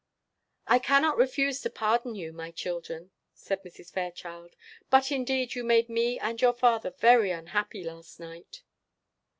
"I cannot refuse to pardon you, my children," said Mrs. Fairchild; "but, indeed, you made me and your father very unhappy last night."